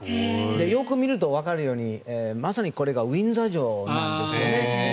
よく見るとわかるようにまさにこれがウィンザー城なんですよね。